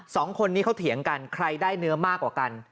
สองคนนี้เขาเถียงกันใครได้เนื้อมากกว่ากัน